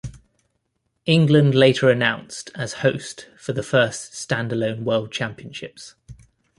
England later announced as host for the first standalone world championships.